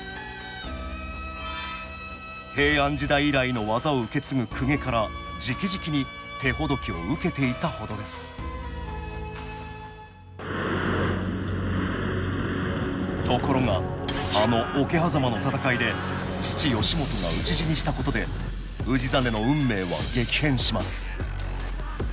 平安時代以来の技を受け継ぐ公家からじきじきに手ほどきを受けていたほどですところがあの桶狭間の戦いで父義元が討ち死にしたことで氏真の運命は激変します